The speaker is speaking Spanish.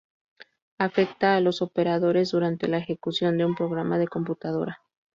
Afecta a los operandos durante la ejecución de un programa de computadora.